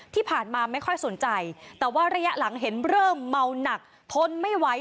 ที่ผ่านมาไม่ค่อยสนใจแต่ว่าระยะหลังเห็นเริ่มเมาหนักทนไม่ไหว